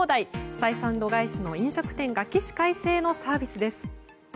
採算度外視の飲食店が起死回生のサービスです。